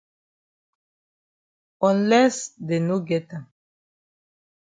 Unless dey no get am.